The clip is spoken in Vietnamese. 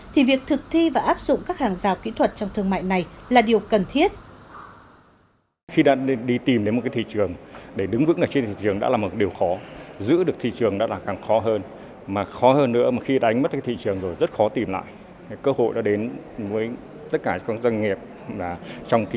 thì việc thực thi và áp dụng các hàng rào kỹ thuật trong thương mại này là điều cần thiết